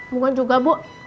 bukan juga bu